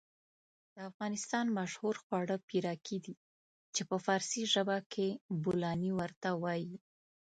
د افغانستان مشهور خواړه پيرکي دي چې په فارسي ژبه کې بولانى ورته وايي.